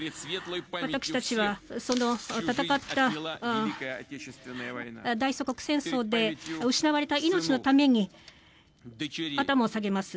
私たちは戦った、大祖国戦争で失われた命のために頭を下げます。